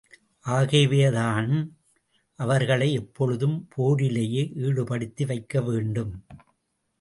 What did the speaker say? ஆகவேதான் அவர்களை எப்பொழுதும் போரிலேயே ஈடுபடுத்தி வைக்க வேண்டும்.